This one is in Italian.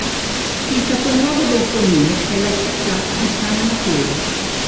Il capoluogo del comune è la città di San Mateo.